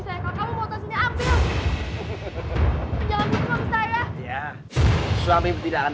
jangan jangan jangan jangan jangan